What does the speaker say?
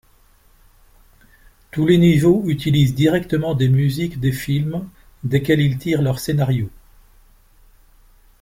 Tous les niveaux utilisent directement des musiques des films desquels ils tirent leur scénario.